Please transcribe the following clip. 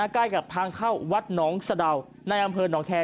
ใกล้กับทางเข้าวัดหนองสะดาวในอำเภอหนองแคร์